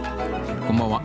こんばんは。